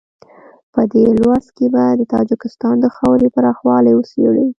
په دې لوست کې به د تاجکستان د خاورې پراخوالی وڅېړو.